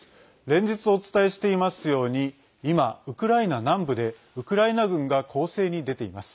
連日お伝えしていますように今、ウクライナ南部でウクライナ軍が攻勢に出ています。